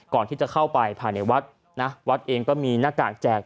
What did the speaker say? ก่อนที่จะเข้าไปภายในวัดนะวัดเองก็มีหน้ากากแจก